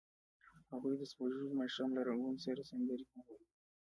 هغوی د سپوږمیز ماښام له رنګونو سره سندرې هم ویلې.